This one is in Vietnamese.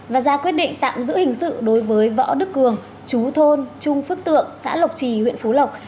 và ra quyết định tạm giữ hình sự đối với võ đức cường chú thôn trung phước tượng xã lộc trì huyện phú lộc